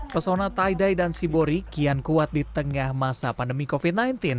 pesona taidai dan shibori kian kuat di tengah masa pandemi covid sembilan belas